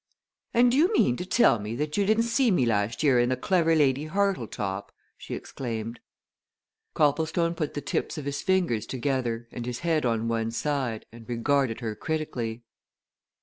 "And do you mean to tell me that you didn't see me last year in The Clever Lady Hartletop?" she exclaimed. Copplestone put the tips of his fingers together and his head on one side and regarded her critically.